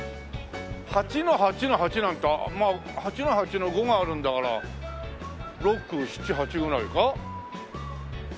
８ー８ー８なんてまあ８ー８ー５があるんだから６７８ぐらいか？